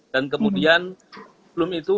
dan kemudian sebelum itu